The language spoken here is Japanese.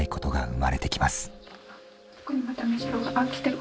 そこにまたメジロがあっ来てる。